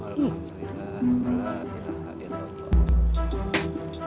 bapak sudah berjaya menangkan bapak